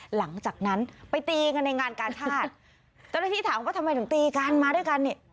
หลังจากนั้นไปตีกันในงานกาชาติเจ้าหน้าที่ถามว่าทำไมถึงตีกันมาด้วยกันเนี่ย